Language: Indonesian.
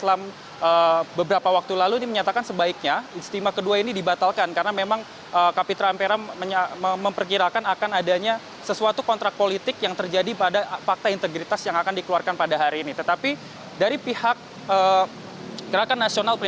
terima kasih kepada ulama atas kepercayaan yang begitu dikas